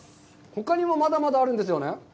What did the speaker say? ほかにもまだまだあるんですよね。